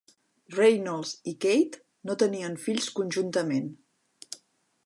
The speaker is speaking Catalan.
Reynolds i Kate no tenien fills conjuntament.